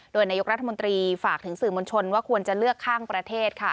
โดยนายกรัฐมนตรีฝากถึงสื่อมวลชนว่าควรจะเลือกข้างประเทศค่ะ